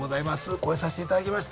超えさせていただきました。